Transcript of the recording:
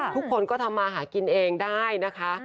ทุกคนก็ทำมาหากินเองได้นะคะ